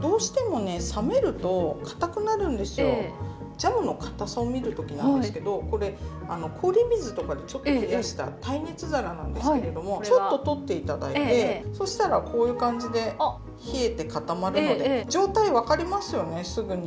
ジャムの堅さを見るときなんですけどこれ氷水とかでちょっと冷やした耐熱皿なんですけれどもちょっと取って頂いてそしたらこういう感じで冷えて固まるので状態分かりますよねすぐに。